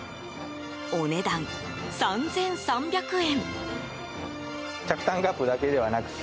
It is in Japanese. お値段、３３００円。